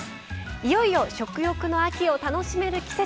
いよいよ食欲の秋を楽しめる季節。